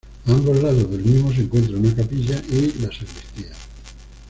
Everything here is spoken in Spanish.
A ambos lados del mismo se encuentran una capilla y la sacristía.